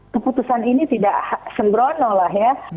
keputusan ini tidak sembrono lah ya